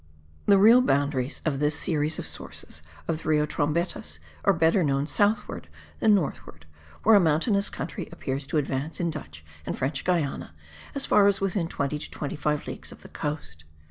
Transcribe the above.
The real boundaries of this series of sources of the Rio Trombetas are better known southward than northward, where a mountainous country appears to advance in Dutch and French Guiana, as far as within twenty to twenty five leagues of the coast.